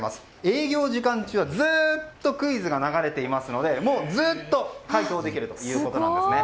営業時間中はずっとクイズが流れていますのでずっと解答できるということです。